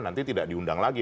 nanti tidak diundang lagi